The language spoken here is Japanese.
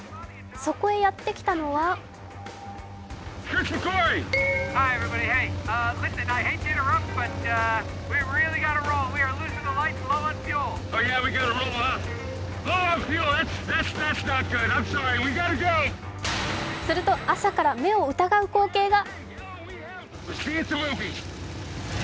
そこへやってきたのはすると、朝から目を疑う光景が。